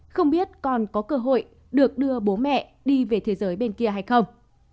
không biết còn có cơ hội được đưa bố mẹ đi về thế giới bên kia hay không